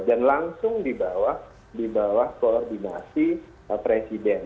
dan langsung dibawah koordinasi presiden